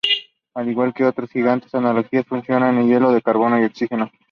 Al igual que otras gigantes análogas, fusiona helio en carbono y oxígeno.